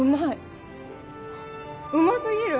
うまい！